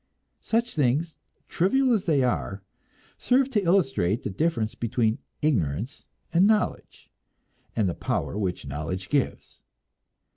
Such things, trivial as they are, serve to illustrate the difference between ignorance and knowledge, and the power which knowledge gives.